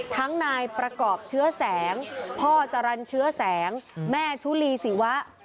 ทั้งนายประกอบเชื้อแสงพ่อจรรย์เชื้อแสงแม่ชุลีศิวะ